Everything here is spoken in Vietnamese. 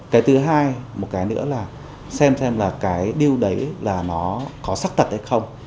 cái thứ hai một cái nữa là xem xem là cái điều đấy là nó có sắc tật hay không